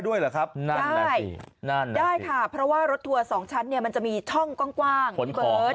ด้วยหรอครับได้ค่ะเพราะว่ารถทัวร์สองชั้นเวลามันจะมีช่องก่อน